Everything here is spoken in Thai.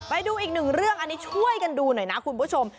ไปดูอีกหนึ่งเรื่องอันนี้ช่วยกันดูหน่อยนะคุณผู้ชม